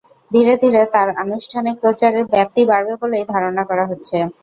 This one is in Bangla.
ধীরে ধীরে তাঁর আনুষ্ঠানিক প্রচারের ব্যাপ্তি বাড়বে বলেই ধারণা করা হচ্ছে।